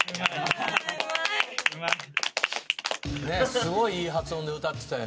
すごいいい発音で歌ってたよね。